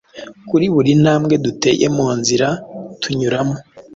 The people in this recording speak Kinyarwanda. Kuri buri ntambwe duteye mu nzira tunyuramo